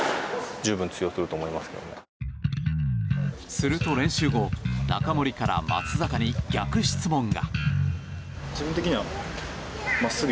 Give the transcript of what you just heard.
すると、練習後中森から松坂に逆質問が。